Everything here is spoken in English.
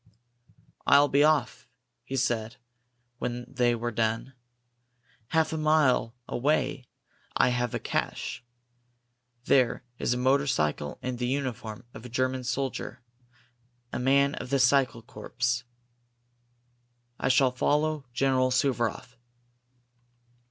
"I'll be off," he said, when they had done. "Half a mile away I have a cache. There is a motorcycle and the uniform of a German soldier a man of the cycle corps. I shall follow General Suvaroff."